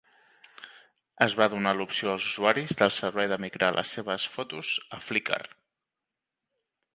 Es va donar l'opció als usuaris del servei de migrar les seves fotos a Flickr.